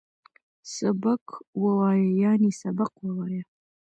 سبک وویه ، یعنی سبق ووایه